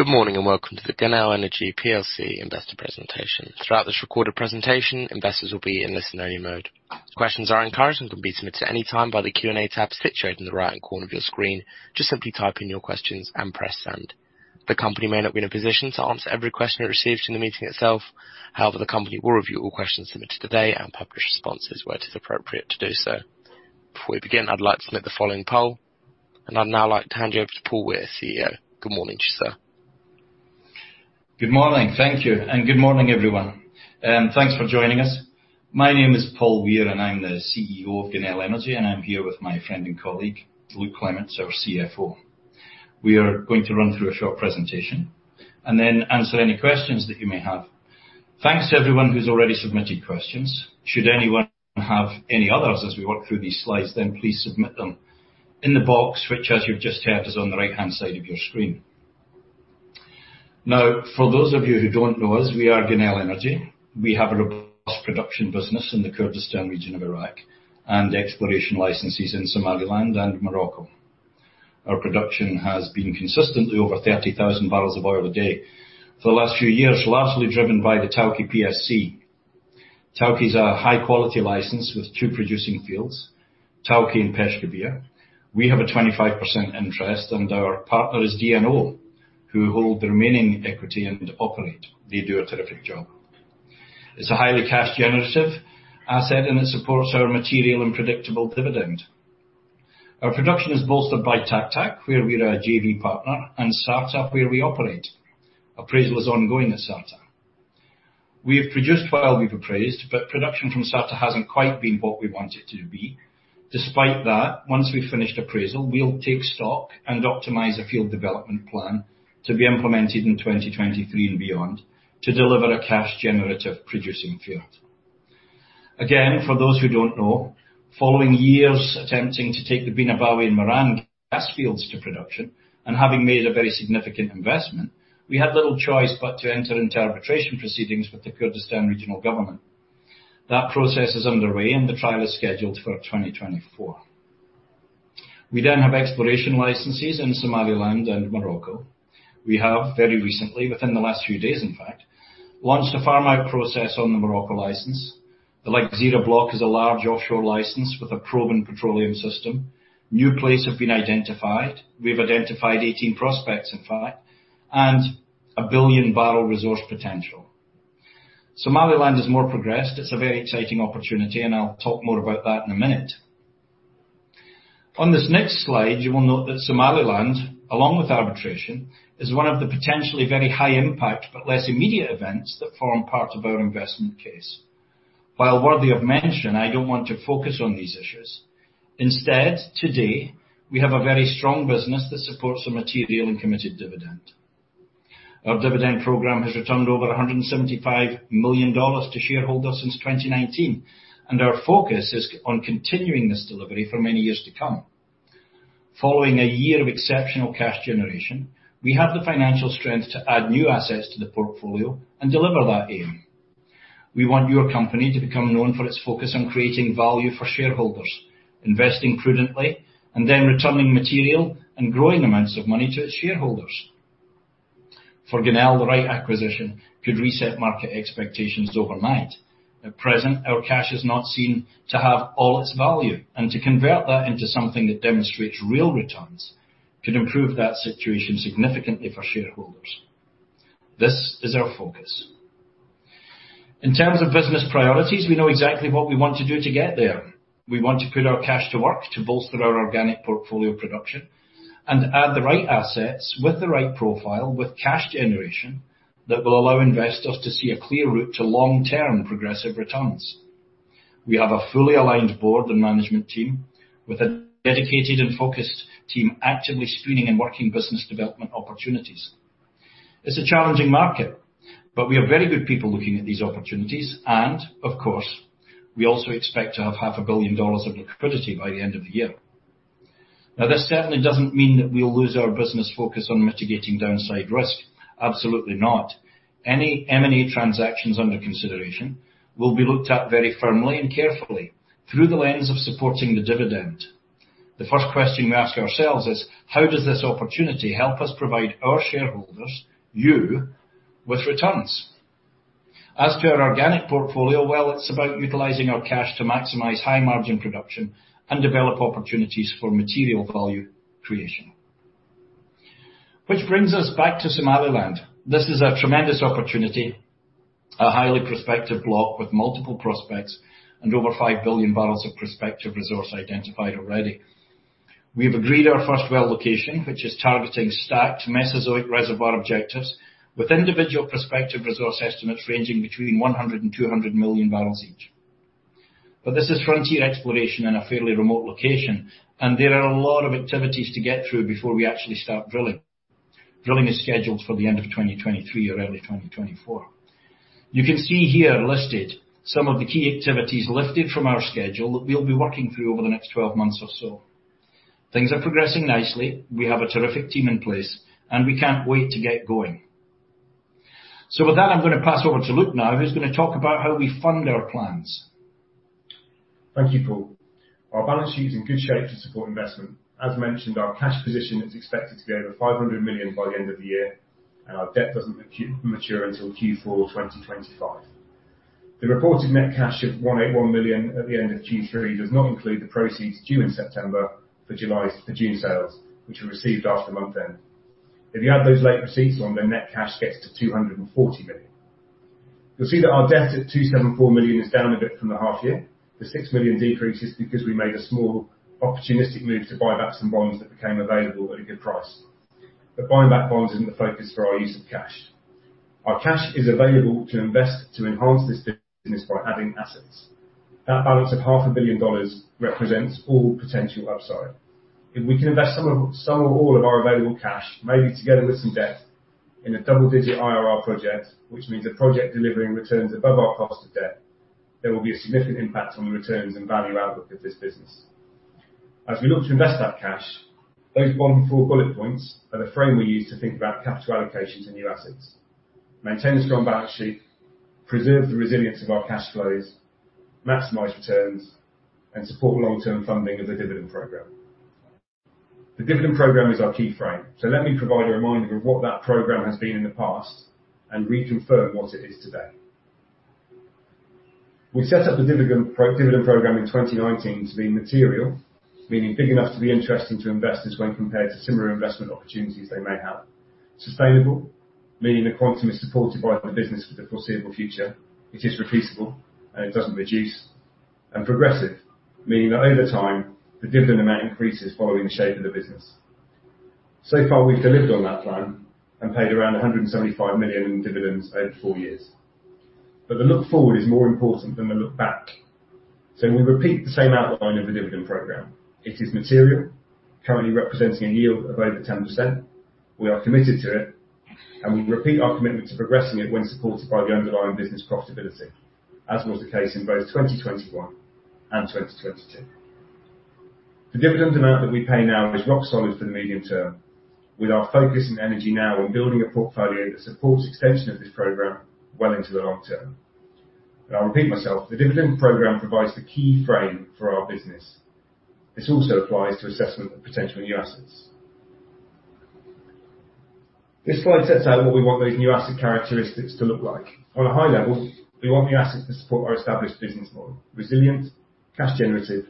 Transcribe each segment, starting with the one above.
Good morning, and Welcome to the Genel Energy PLC Investor Presentation. Throughout this recorded presentation, investors will be in listen-only mode. Questions are encouraged and can be submitted at any time by the Q&A tab situated in the right-hand corner of your screen. Just simply type in your questions and press send. The company may not be in a position to answer every question it receives from the meeting itself. However, the company will review all questions submitted today and publish responses where it is appropriate to do so. Before we begin, I'd like to submit the following poll. I'd now like to hand you over to Paul Weir, CEO. Good morning to you, sir. Good morning. Thank you. Good morning, everyone, and thanks for joining us. My name is Paul Weir, and I'm the CEO of Genel Energy, and I'm here with my friend and colleague, Luke Clements, our CFO. We are going to run through a short presentation and then answer any questions that you may have. Thanks to everyone who's already submitted questions. Should anyone have any others as we work through these slides, then please submit them in the box which, as you've just heard, is on the right-hand side of your screen. Now, for those of you who don't know us, we are Genel Energy. We have a robust production business in the Kurdistan Region of Iraq and exploration licenses in Somaliland and Morocco. Our production has been consistently over 30,000 barrels of oil a day for the last few years, largely driven by the Tawke PSC. Tawke is a high-quality license with two producing fields, Tawke and Peshkabir. We have a 25% interest, and our partner is DNO, who hold the remaining equity and operate. They do a terrific job. It's a highly cash generative asset, and it supports our material and predictable dividend. Our production is bolstered by Taq Taq, where we're a JV partner, and Sarta, where we operate. Appraisal is ongoing at Sarta. We have produced while we've appraised, but production from Sarta hasn't quite been what we want it to be. Despite that, once we've finished appraisal, we'll take stock and optimize a field development plan to be implemented in 2023 and beyond to deliver a cash generative producing field. For those who don't know, following years attempting to take the Bina Bawi and Miran gas fields to production and having made a very significant investment, we had little choice but to enter into arbitration proceedings with the Kurdistan Regional Government. That process is underway, and the trial is scheduled for 2024. We then have exploration licenses in Somaliland and Morocco. We have very recently, within the last few days, in fact, launched a farm-out process on the Morocco license. The Lagzira Block is a large offshore license with a proven petroleum system. New plays have been identified. We've identified 18 prospects, in fact, and 1 billion-barrel resource potential. Somaliland is more progressed. It's a very exciting opportunity, and I'll talk more about that in a minute. On this next slide, you will note that Somaliland, along with arbitration, is one of the potentially very high impact but less immediate events that form part of our investment case. While worthy of mention, I don't want to focus on these issues. Instead, today, we have a very strong business that supports a material and committed dividend. Our dividend program has returned over $175 million to shareholders since 2019, and our focus is on continuing this delivery for many years to come. Following a year of exceptional cash generation, we have the financial strength to add new assets to the portfolio and deliver that aim. We want your company to become known for its focus on creating value for shareholders, investing prudently, and then returning material and growing amounts of money to its shareholders. For Genel, the right acquisition could reset market expectations overnight. At present, our cash is not seen to have all its value, and to convert that into something that demonstrates real returns could improve that situation significantly for shareholders. This is our focus. In terms of business priorities, we know exactly what we want to do to get there. We want to put our cash to work to bolster our organic portfolio production and add the right assets with the right profile with cash generation that will allow investors to see a clear route to long-term progressive returns. We have a fully aligned board and management team with a dedicated and focused team actively screening and working business development opportunities. It's a challenging market, but we have very good people looking at these opportunities. Of course, we also expect to have half a billion dollars of liquidity by the end of the year. Now, this certainly doesn't mean that we'll lose our business focus on mitigating downside risk. Absolutely not. Any M&A transactions under consideration will be looked at very firmly and carefully through the lens of supporting the dividend. The first question we ask ourselves is: how does this opportunity help us provide our shareholders, you, with returns? As to our organic portfolio, well, it's about utilizing our cash to maximize high-margin production and develop opportunities for material value creation. Which brings us back to Somaliland. This is a tremendous opportunity, a highly prospective block with multiple prospects and over 5 billion barrels of prospective resource identified already. We've agreed our first well location, which is targeting stacked Mesozoic reservoir objectives with individual prospective resource estimates ranging between 100 million and 200 million barrels each. This is frontier exploration in a fairly remote location, and there are a lot of activities to get through before we actually start drilling. Drilling is scheduled for the end of 2023 or early 2024. You can see here listed some of the key activities lifted from our schedule that we'll be working through over the next 12 months or so. Things are progressing nicely. We have a terrific team in place, and we can't wait to get going. With that, I'm gonna pass over to Luke now, who's gonna talk about how we fund our plans. Thank you, Paul. Our balance sheet is in good shape to support investment. As mentioned, our cash position is expected to be over $500 million by the end of the year, and our debt doesn't mature until Q4 2025. The reported net cash of $181 million at the end of Q3 does not include the proceeds due in September for June sales, which we received after month end. If you add those late receipts on, the net cash gets to $240 million. You'll see that our debt at $274 million is down a bit from the half year. The $6 million decrease is because we made a small opportunistic move to buy back some bonds that became available at a good price. Buying back bonds isn't the focus for our use of cash. Our cash is available to invest to enhance this business by adding assets. That balance of half a billion dollars represents all potential upside. If we can invest some or all of our available cash, maybe together with some debt, in a double-digit IRR project, which means a project delivering returns above our cost of debt, there will be a significant impact on the returns and value outlook of this business. As we look to invest that cash, those four bullet points are the frame we use to think about capital allocations and new assets. Maintain a strong balance sheet, preserve the resilience of our cash flows, maximize returns, and support long-term funding of the dividend program. The dividend program is our key frame, so let me provide a reminder of what that program has been in the past and reconfirm what it is today. We set up the progressive dividend program in 2019 to be material, meaning big enough to be interesting to investors when compared to similar investment opportunities they may have. Sustainable, meaning the quantum is supported by the business for the foreseeable future. It is reliable, and it doesn't reduce. Progressive, meaning that over time, the dividend amount increases following the shape of the business. We've delivered on that plan and paid around $175 million in dividends over 4 years. The look forward is more important than the look back. We repeat the same outline of the dividend program. It is material, currently representing a yield of over 10%. We are committed to it, and we repeat our commitment to progressing it when supported by the underlying business profitability, as was the case in both 2021 and 2022. The dividend amount that we pay now is rock solid for the medium term, with our focus and energy now on building a portfolio that supports extension of this program well into the long term. I'll repeat myself, the dividend program provides the key frame for our business. This also applies to assessment of potential new assets. This slide sets out what we want those new asset characteristics to look like. On a high level, we want new assets to support our established business model, resilient, cash generative,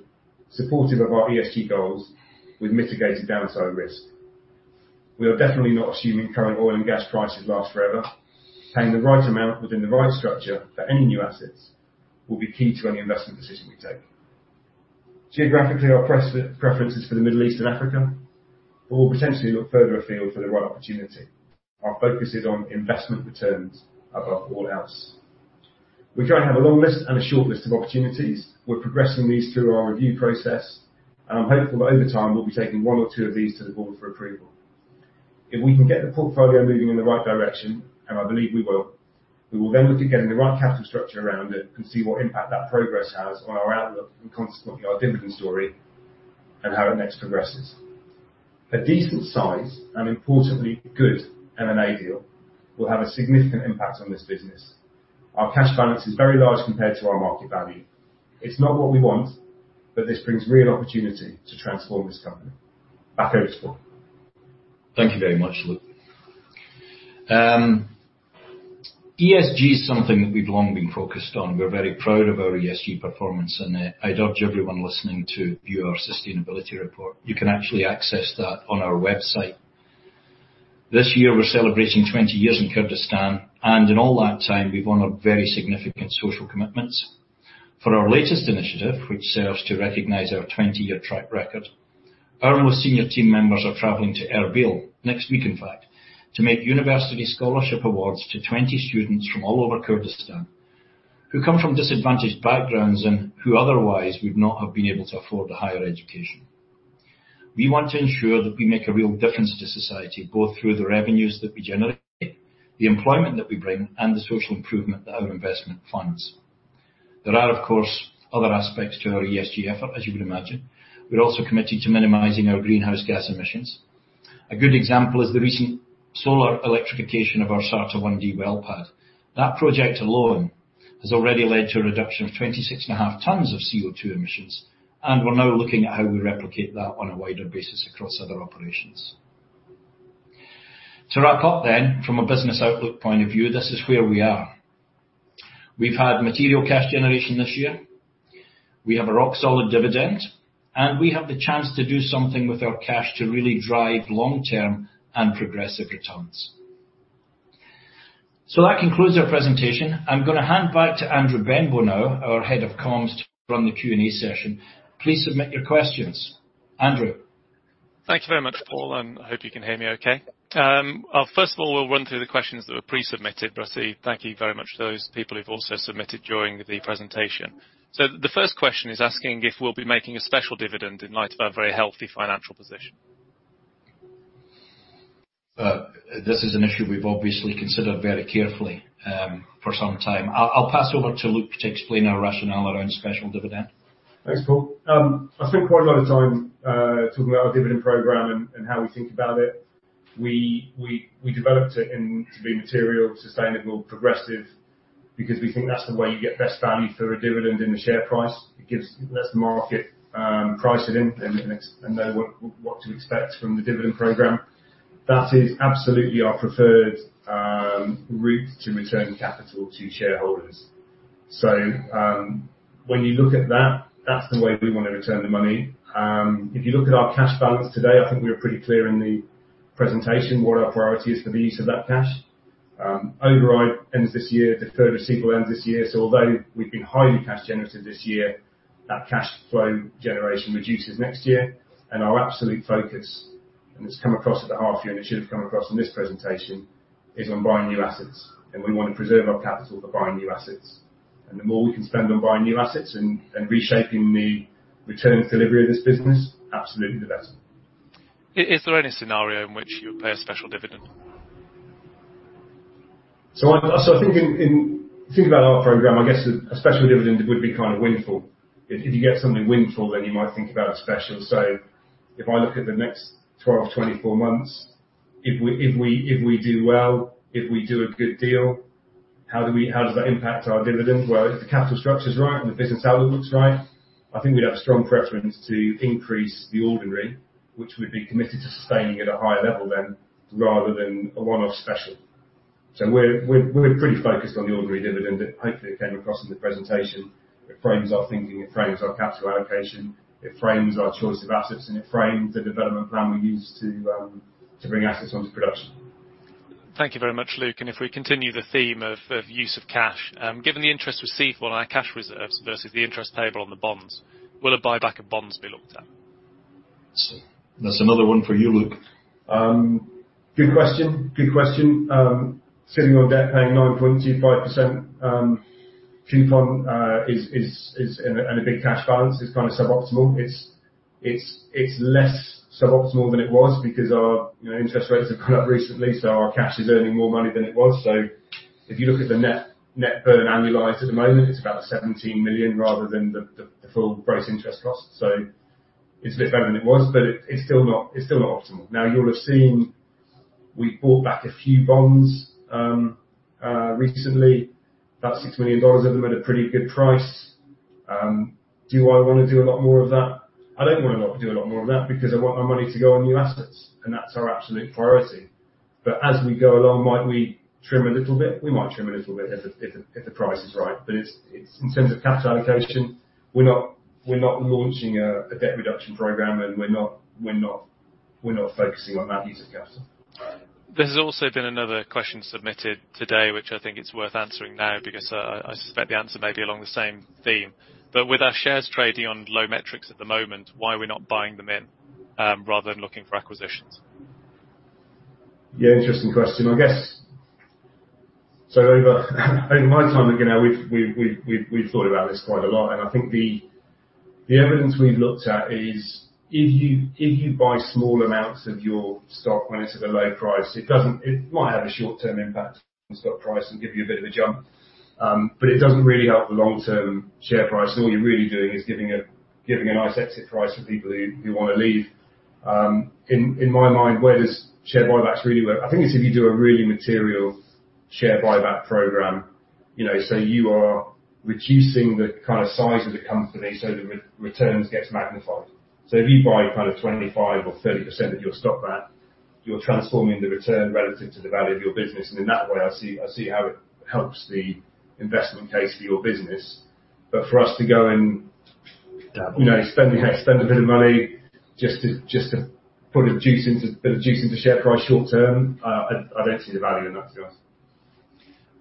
supportive of our ESG goals with mitigated downside risk. We are definitely not assuming current oil and gas prices last forever. Paying the right amount within the right structure for any new assets will be key to any investment decision we take. Geographically, our preferences for the Middle East and Africa, but we'll potentially look further afield for the right opportunity. Our focus is on investment returns above all else. We currently have a long list and a short list of opportunities. We're progressing these through our review process, and I'm hopeful that over time, we'll be taking one or two of these to the board for approval. If we can get the portfolio moving in the right direction, and I believe we will, we will then look at getting the right capital structure around it and see what impact that progress has on our outlook and consequently our dividend story and how it next progresses. A decent size and importantly good M&A deal will have a significant impact on this business. Our cash balance is very large compared to our market value. It's not what we want, but this brings real opportunity to transform this company. Back over to Paul. Thank you very much, Luke. ESG is something that we've long been focused on. We're very proud of our ESG performance, and I'd urge everyone listening to view our sustainability report. You can actually access that on our website. This year, we're celebrating 20 years in Kurdistan, and in all that time, we've honored very significant social commitments. For our latest initiative, which serves to recognize our 20-year track record, our most senior team members are traveling to Erbil next week, in fact, to make university scholarship awards to 20 students from all over Kurdistan who come from disadvantaged backgrounds and who otherwise would not have been able to afford a higher education. We want to ensure that we make a real difference to society, both through the revenues that we generate, the employment that we bring, and the social improvement that our investment funds. There are, of course, other aspects to our ESG effort, as you would imagine. We're also committed to minimizing our greenhouse gas emissions. A good example is the recent solar electrification of our Sarta-1D well pad. That project alone has already led to a reduction of 26.5 tons of CO2 emissions, and we're now looking at how we replicate that on a wider basis across other operations. To wrap up then, from a business outlook point of view, this is where we are. We've had material cash generation this year. We have a rock-solid dividend, and we have the chance to do something with our cash to really drive long-term and progressive returns. That concludes our presentation. I'm gonna hand back to Andrew Benbow now, our Head of Comms, to run the Q&A session. Please submit your questions. Andrew. Thank you very much, Paul, and I hope you can hear me okay. First of all, we'll run through the questions that were pre-submitted. I say thank you very much to those people who've also submitted during the presentation. The first question is asking if we'll be making a special dividend in light of our very healthy financial position. This is an issue we've obviously considered very carefully for some time. I'll pass over to Luke to explain our rationale around special dividend. Thanks, Paul. I spent quite a lot of time talking about our dividend program and how we think about it. We developed it and to be material sustainable, progressive because we think that's the way you get best value for a dividend in the share price. It lets the market price it in and know what to expect from the dividend program. That is absolutely our preferred route to return capital to shareholders. When you look at that's the way we wanna return the money. If you look at our cash balance today, I think we are pretty clear in the presentation what our priority is for the use of that cash. Override ends this year, deferred receivable ends this year. Although we've been highly cash generative this year, that cash flow generation reduces next year. Our absolute focus, and it's come across at the half year, and it should have come across in this presentation, is on buying new assets, and we want to preserve our capital for buying new assets. The more we can spend on buying new assets and reshaping the return delivery of this business, absolutely the best. Is there any scenario in which you would pay a special dividend? I think in thinking about our program, I guess a special dividend would be kind of windfall. If you get something windfall, then you might think about a special. If I look at the next 12, 24 months, if we do well, if we do a good deal, how do we, how does that impact our dividend? Well, if the capital structure's right and the business outlook's right, I think we'd have a strong preference to increase the ordinary, which we'd be committed to sustaining at a higher level then, rather than a one-off special. We're pretty focused on the ordinary dividend that hopefully it came across in the presentation. It frames our thinking, it frames our capital allocation, it frames our choice of assets, and it frames the development plan we use to bring assets onto production. Thank you very much, Luke. If we continue the theme of use of cash, given the interest received on our cash reserves versus the interest payable on the bonds, will a buyback of bonds be looked at? That's another one for you, Luke. Good question. Sitting on debt paying 9.25% coupon is and a big cash balance is kind of suboptimal. It's less suboptimal than it was because our, you know, interest rates have come up recently, so our cash is earning more money than it was. So if you look at the net burn annualized at the moment, it's about $17 million rather than the full gross interest cost. So it's a bit better than it was, but it's still not optimal. Now, you'll have seen we bought back a few bonds recently, about $6 million of them at a pretty good price. Do I wanna do a lot more of that? I don't want to do a lot more of that because I want my money to go on new assets, and that's our absolute priority. As we go along, might we trim a little bit? We might trim a little bit if the price is right. It's in terms of cash allocation, we're not launching a debt reduction program, and we're not focusing on that use of cash. There's also been another question submitted today, which I think it's worth answering now because I suspect the answer may be along the same theme. With our shares trading on low metrics at the moment, why are we not buying them in, rather than looking for acquisitions? Yeah, interesting question. I guess so over in my time at Genel, we've thought about this quite a lot and I think the evidence we've looked at is if you buy small amounts of your stock when it's at a low price, it doesn't. It might have a short-term impact on stock price and give you a bit of a jump, but it doesn't really help the long-term share price. All you're really doing is giving a nice exit price for people who wanna leave. In my mind, where does share buybacks really work? I think it's if you do a really material share buyback program, you know, so you are reducing the kind of size of the company so the returns gets magnified. If you buy kind of 25% or 30% of your stock back, you're transforming the return relative to the value of your business, and in that way, I see how it helps the investment case for your business. For us to go and, you know, spend a bit of money just to put a bit of juice into share price short term, I don't see the value in that to us.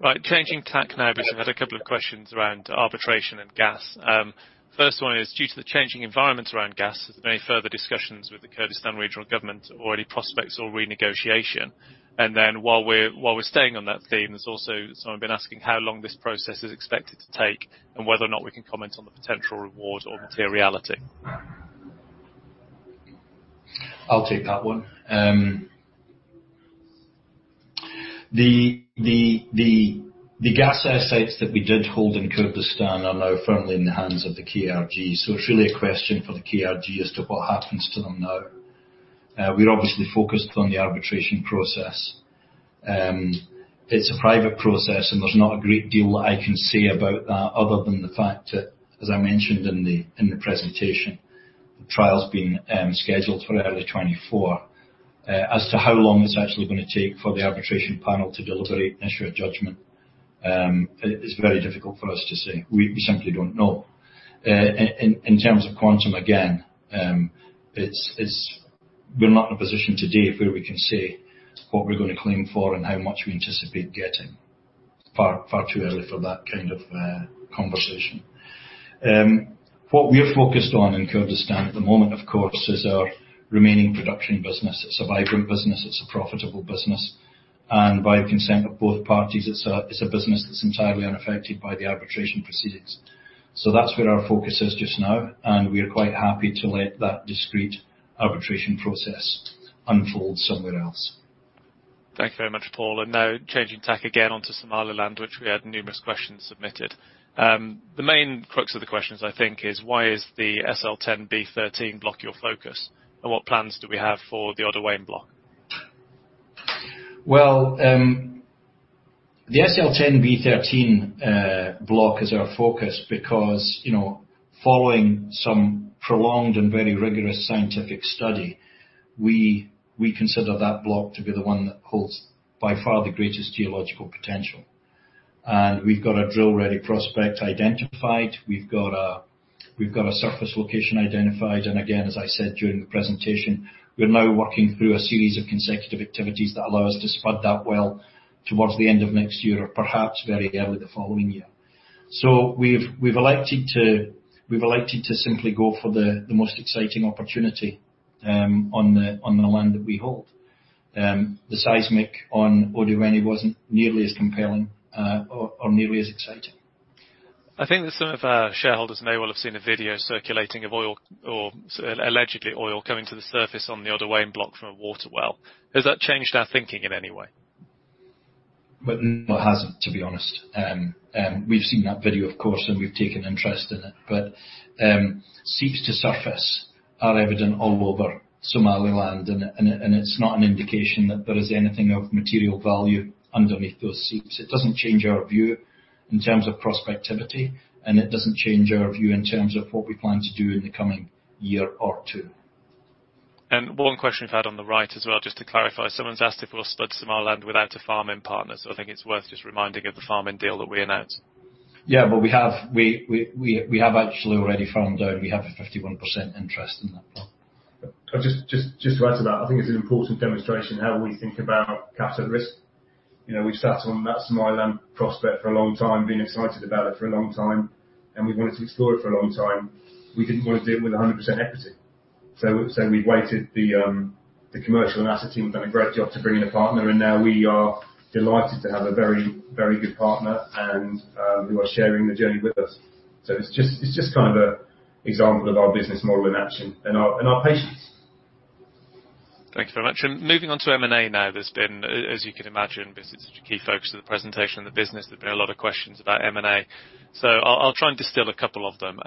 Right. Changing tack now because we've had a couple of questions around arbitration and gas. First one is due to the changing environment around gas, is there any further discussions with the Kurdistan Regional Government or any prospects or renegotiation? Then while we're staying on that theme, there's also someone been asking how long this process is expected to take and whether or not we can comment on the potential reward or materiality. I'll take that one. The gas assets that we did hold in Kurdistan are now firmly in the hands of the KRG. It's really a question for the KRG as to what happens to them now. We're obviously focused on the arbitration process. It's a private process and there's not a great deal I can say about that other than the fact that, as I mentioned in the presentation, the trial's been scheduled for early 2024. As to how long it's actually gonna take for the arbitration panel to deliberate and issue a judgment, it's very difficult for us to say. We simply don't know. In terms of quantum, again, we're not in a position today where we can say what we're gonna claim for and how much we anticipate getting. Far, far too early for that kind of conversation. What we are focused on in Kurdistan at the moment, of course, is our remaining production business. It's a vibrant business, it's a profitable business, and by the consent of both parties, it's a business that's entirely unaffected by the arbitration proceedings. That's where our focus is just now, and we are quite happy to let that discrete arbitration process unfold somewhere else. Thank you very much, Paul. Now changing tack again onto Somaliland, which we had numerous questions submitted. The main crux of the questions I think is why is the SL-10B/13 block your focus, and what plans do we have for the Odweyne block? Well, the SL-10B/13 block is our focus because, you know, following some prolonged and very rigorous scientific study, we consider that block to be the one that holds by far the greatest geological potential. We've got a drill-ready prospect identified. We've got a surface location identified. Again, as I said during the presentation, we're now working through a series of consecutive activities that allow us to spud that well towards the end of next year or perhaps very early the following year. We've elected to simply go for the most exciting opportunity on the land that we hold. The seismic on Odweyne wasn't nearly as compelling or nearly as exciting. I think that some of our shareholders may well have seen a video circulating of oil or allegedly oil coming to the surface on the Odweyne block from a water well. Has that changed our thinking in any way? No, it hasn't, to be honest. We've seen that video, of course, and we've taken interest in it. Seeps to surface are evident all over Somaliland and it's not an indication that there is anything of material value underneath those seeps. It doesn't change our view in terms of prospectivity, and it doesn't change our view in terms of what we plan to do in the coming year or two. One question we've had on the right as well, just to clarify. Someone's asked if we'll spud Somaliland without a farm-in partner. I think it's worth just reminding of the farm-in deal that we announced. Yeah. Well, we have actually already farmed out. We have a 51% interest in that block. Just to add to that. I think it's an important demonstration how we think about capital risk. You know, we've sat on that Somaliland prospect for a long time, been excited about it for a long time, and we wanted to explore it for a long time. We didn't want to do it with 100% equity. We waited. The commercial and asset team have done a great job to bring in a partner, and now we are delighted to have a very, very good partner and who are sharing the journey with us. It's just kind of an example of our business model in action and our patience. Thank you very much. Moving on to M&A now. There's been, as you can imagine, because it's such a key focus of the presentation and the business, there've been a lot of questions about M&A. I'll try and distill a couple of them.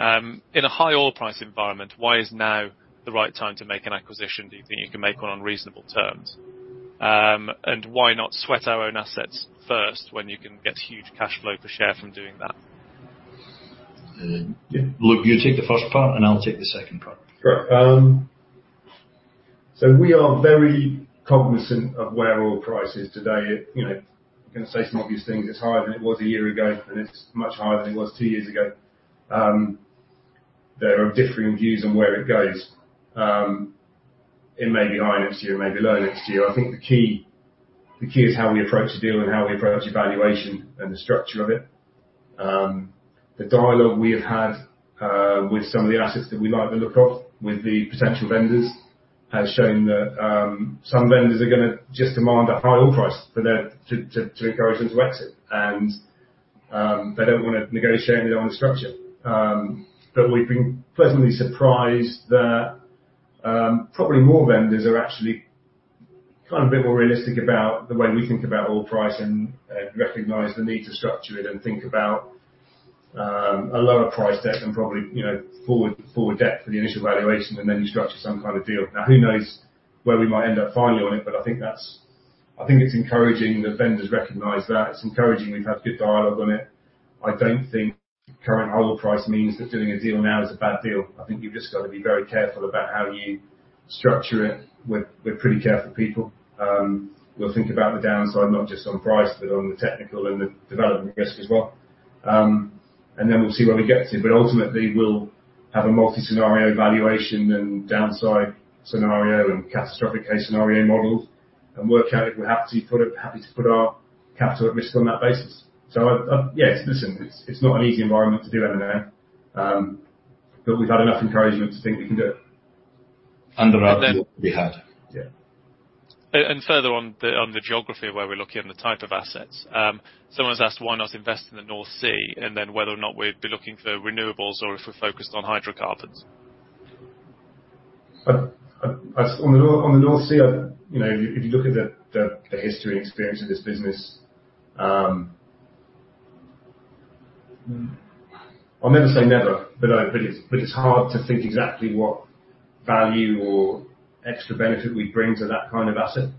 In a high oil price environment, why is now the right time to make an acquisition? Do you think you can make one on reasonable terms? Why not sweat our own assets first when you can get huge cash flow per share from doing that? Luke, you take the first part, and I'll take the second part. Sure. We are very cognizant of where oil price is today. You know, I'm gonna say some obvious things. It's higher than it was a year ago, and it's much higher than it was two years ago. There are differing views on where it goes. It may be higher next year, it may be lower next year. I think the key is how we approach the deal and how we approach valuation and the structure of it. The dialogue we have had with some of the assets that we'd like to look at with the potential vendors has shown that some vendors are gonna just demand a high oil price to encourage them to exit. They don't wanna negotiate anything on the structure. We've been pleasantly surprised that, probably more vendors are actually kind of a bit more realistic about the way we think about oil price and, recognize the need to structure it and think about, a lower price deck and probably, you know, forward debt for the initial valuation, and then you structure some kind of deal. Now, who knows where we might end up finally on it. I think that's. I think it's encouraging that vendors recognize that. It's encouraging we've had good dialogue on it. I don't think current oil price means that doing a deal now is a bad deal. I think you've just got to be very careful about how you structure it. We're pretty careful people. We'll think about the downside not just on price, but on the technical and the development risk as well. We'll see where we get to. Ultimately, we'll have a multi-scenario valuation and downside scenario and catastrophic case scenario models and work out if we're happy to put our capital at risk on that basis. Yes, listen, it's not an easy environment to do M&A, but we've had enough encouragement to think we can do it. Under our view we had. Yeah. Further on the geography of where we're looking and the type of assets. Someone's asked why not invest in the North Sea, and then whether or not we'd be looking for renewables or if we're focused on hydrocarbons. As in the North Sea, you know, if you look at the history and experience of this business, I'll never say never, but it's hard to think exactly what value or extra benefit we bring to that kind of asset.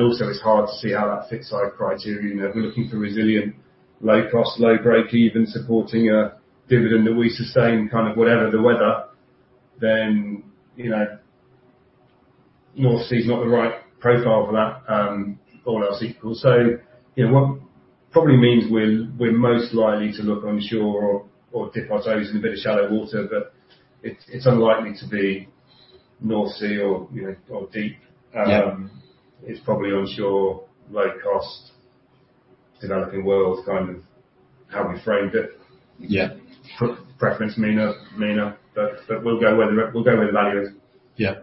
Also it's hard to see how that fits our criteria. You know, we're looking for resilient, low cost, low breakeven supporting dividend that we sustain kind of whatever the weather. You know, North Sea is not the right profile for that, or offshore. You know, that probably means we're most likely to look onshore or dip our toes in a bit of shallow water, but it's unlikely to be North Sea or, you know, or deep. It's probably onshore, low cost, developing world, kind of how we framed it. Yeah. Preference may not. We'll go where the value is. Yeah.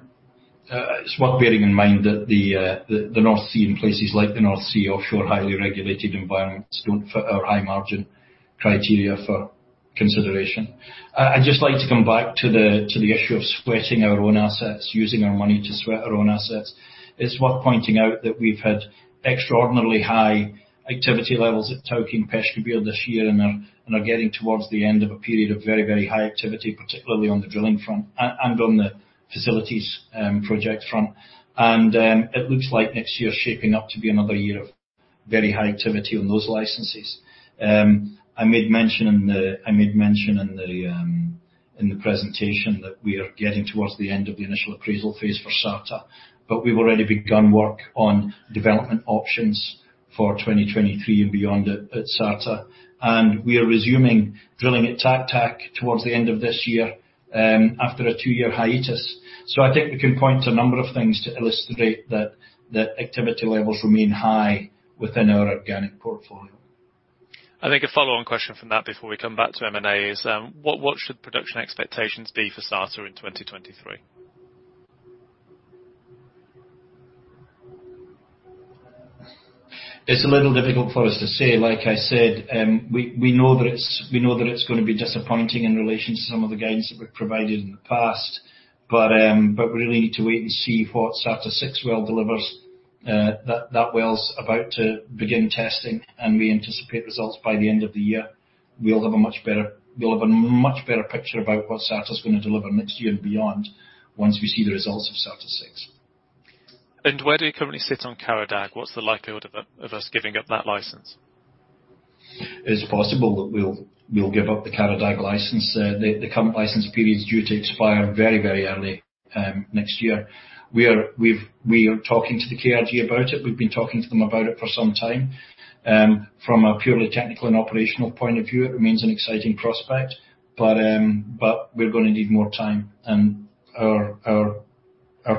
It's worth bearing in mind that the North Sea and places like the North Sea offshore, highly regulated environments don't fit our high margin criteria for consideration. I'd just like to come back to the issue of sweating our own assets, using our money to sweat our own assets. It's worth pointing out that we've had extraordinarily high activity levels at Tawke and Peshkabir this year, and are getting towards the end of a period of very high activity, particularly on the drilling front and on the facilities project front. It looks like next year is shaping up to be another year of very high activity on those licenses. I made mention in the presentation that we are getting towards the end of the initial appraisal phase for Sarta. We've already begun work on development options for 2023 and beyond at Sarta. We are resuming drilling at Taq Taq towards the end of this year after a two-year hiatus. I think we can point to a number of things to illustrate that activity levels remain high within our organic portfolio. I think a follow-on question from that before we come back to M&A is, what should production expectations be for Sarta in 2023? It's a little difficult for us to say. Like I said, we know that it's gonna be disappointing in relation to some of the guidance that we've provided in the past. We really need to wait and see what Sarta-6 well delivers. That well's about to begin testing, and we anticipate results by the end of the year. We'll have a much better picture about what Sarta's gonna deliver next year and beyond once we see the results of Sarta-6. Where do you currently sit on Qara Dagh? What's the likelihood of us giving up that license? It's possible that we'll give up the Qara Dagh license. The current license period is due to expire very early next year. We are talking to the KRG about it. We've been talking to them about it for some time. From a purely technical and operational point of view, it remains an exciting prospect. We're gonna need more time, and our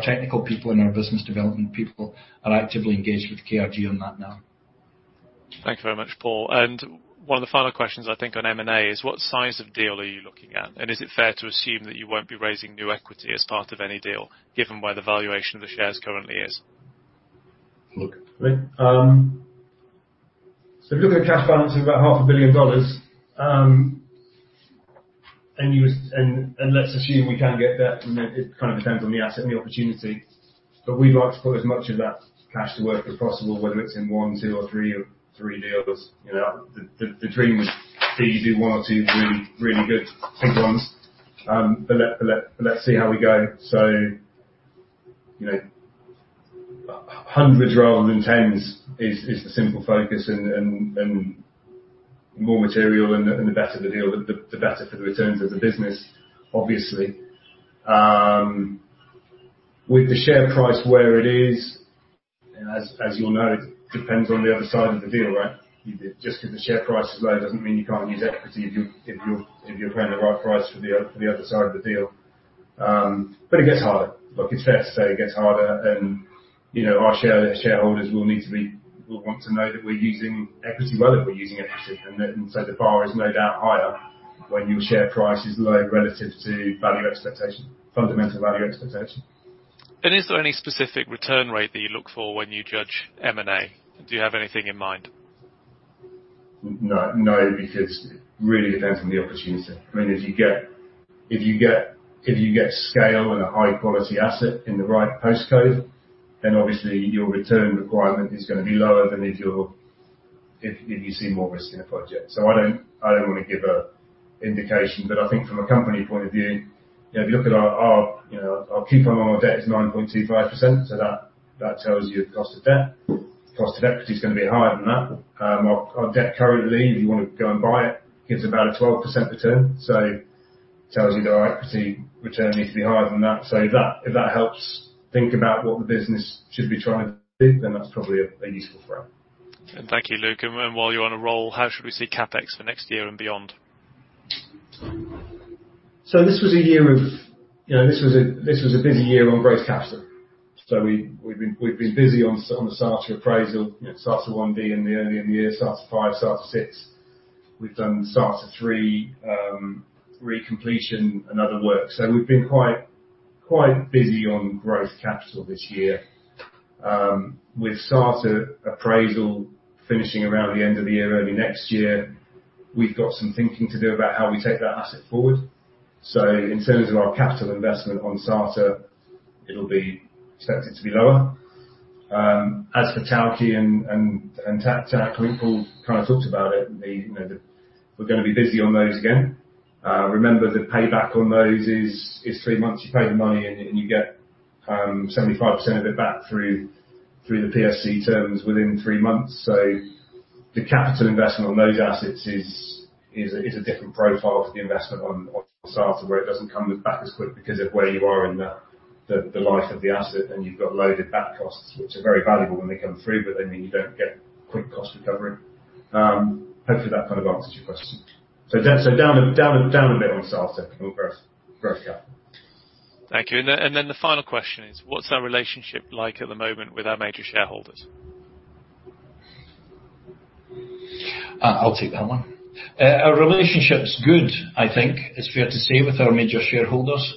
technical people and our business development people are actively engaged with KRG on that now. Thank you very much, Paul. One of the final questions I think on M&A is what size of deal are you looking at? Is it fair to assume that you won't be raising new equity as part of any deal given where the valuation of the shares currently is? Luke. Okay. Looking at cash balance of about half a billion dollars, and let's assume we can get debt, and then it kind of depends on the asset and the opportunity. We'd like to put as much of that cash to work as possible, whether it's in one, two or three deals. You know, the dream is can you do one or two really, really good big ones. Let's see how we go. You know, hundreds rather than tens is the simple focus and more material and the better the deal, the better for the returns of the business, obviously. With the share price where it is, and as you'll know, depends on the other side of the deal, right? Just because the share price is low doesn't mean you can't use equity if you're paying the right price for the other side of the deal. It gets harder. Look, it's fair to say it gets harder and, you know, our shareholders will want to know that we're using equity well if we're using equity. The bar is no doubt higher when your share price is low relative to value expectation, fundamental value expectation. Is there any specific return rate that you look for when you judge M&A? Do you have anything in mind? No, because it really depends on the opportunity. I mean, if you get scale and a high quality asset in the right postcode, then obviously your return requirement is gonna be lower than if you see more risk in a project. I don't wanna give an indication, but I think from a company point of view, you know, if you look at our coupon on our debt is 9.25%, so that tells you the cost of debt. Cost of equity is gonna be higher than that. Our debt currently, if you wanna go and buy it, gives about a 12% return. Tells you that our equity return needs to be higher than that. If that helps think about what the business should be trying to do, then that's probably a useful frame. Thank you, Luke. While you're on a roll, how should we see CapEx for next year and beyond? This was a year of, you know, this was a busy year on growth CapEx. We've been busy on the Sarta appraisal. You know, Sarta-1B in the early in the year, Sarta-5, Sarta-6. We've done Sarta-3, recompletion and other works. We've been quite busy on growth CapEx this year. With Sarta appraisal finishing around the end of the year, early next year, we've got some thinking to do about how we take that asset forward. In terms of our capital investment on Sarta, it'll be expected to be lower. As for Tawke and Taq Taq, I think Paul kind of talked about it. You know, we're gonna be busy on those again. Remember the payback on those is three months. You pay the money and you get 75% of it back through the PSC terms within three months. The capital investment on those assets is a different profile to the investment on Sarta where it doesn't come back as quick because of where you are in the life of the asset, and you've got loaded R-factor costs which are very valuable when they come through, but they mean you don't get quick cost recovery. Hopefully that kind of answers your question. Down a bit on Sarta on growth CapEx. Thank you. The final question is, what's our relationship like at the moment with our major shareholders? I'll take that one. Our relationship's good, I think it's fair to say, with our major shareholders.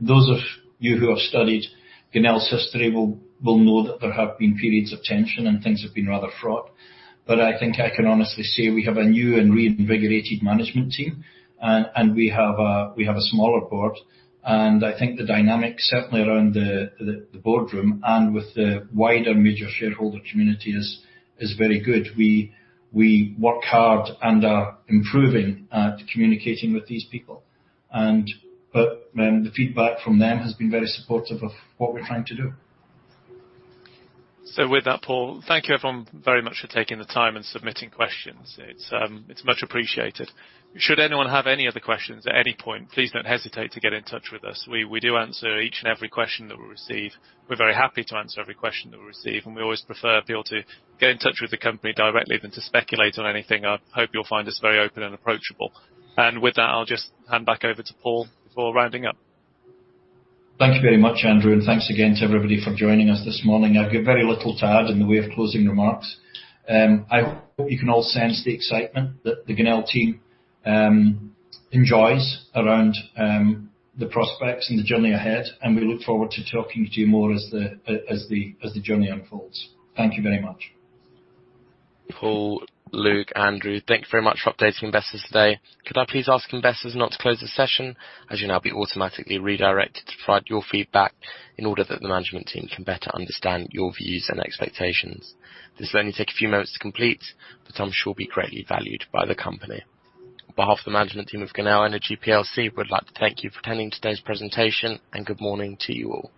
Those of you who have studied Genel's history will know that there have been periods of tension and things have been rather fraught. I think I can honestly say we have a new and reinvigorated management team and we have a smaller board. I think the dynamic, certainly around the boardroom and with the wider major shareholder community is very good. We work hard and are improving at communicating with these people. The feedback from them has been very supportive of what we're trying to do. With that, Paul, thank you everyone very much for taking the time and submitting questions. It's much appreciated. Should anyone have any other questions at any point, please don't hesitate to get in touch with us. We do answer each and every question that we receive. We're very happy to answer every question that we receive, and we always prefer people to get in touch with the company directly than to speculate on anything. I hope you'll find us very open and approachable. With that, I'll just hand back over to Paul for rounding up. Thank you very much, Andrew, and thanks again to everybody for joining us this morning. I've got very little to add in the way of closing remarks. I hope you can all sense the excitement that the Genel team enjoys around the prospects and the journey ahead, and we look forward to talking to you more as the journey unfolds. Thank you very much. Paul, Luke, Andrew, thank you very much for updating investors today. Could I please ask investors not to close the session, as you'll now be automatically redirected to provide your feedback in order that the management team can better understand your views and expectations. This will only take a few moments to complete, but I'm sure will be greatly valued by the company. On behalf of the management team of Genel Energy plc, we'd like to thank you for attending today's presentation and good morning to you all.